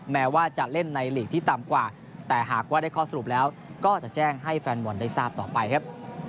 แม้ว่าจะเล่นในหลีกที่ต่ำกว่าแต่หากว่าได้ข้อสรุปแล้วก็จะแจ้งให้แฟนบอลได้ทราบต่อไปครับ